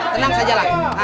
tenang saja lah